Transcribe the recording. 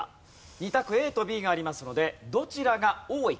２択ＡとＢがありますのでどちらが多いか。